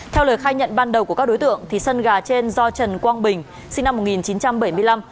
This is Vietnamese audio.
theo lời khai nhận ban đầu của các đối tượng sân gà trên do trần quang bình sinh năm một nghìn chín trăm bảy mươi năm